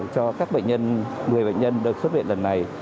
cho các bệnh nhân một mươi bệnh nhân được xuất viện lần này